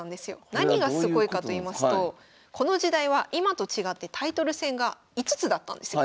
何がすごいかと言いますとこの時代は今と違ってタイトル戦が５つだったんですよ。